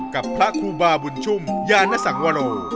กับพระครูบาบุญชุ่มยานสังวโร